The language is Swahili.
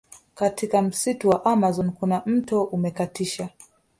Katika msitu wa amazon kuna mto umekatisha